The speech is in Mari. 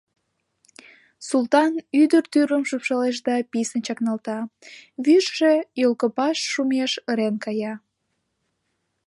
— Султан ӱдыр тӱрвым шупшалеш да писын чакналта, вӱржӧ йолкопаш шумеш ырен кая.